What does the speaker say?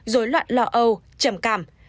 dối loạn lò âu trầm cảm